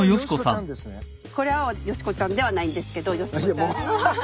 これはよしこちゃんではないんですけどよしこちゃんの畑。